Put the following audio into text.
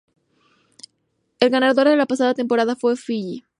El ganador de la pasada temporada fue Fiyi.